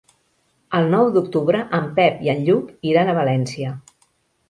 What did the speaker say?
El nou d'octubre en Pep i en Lluc iran a València.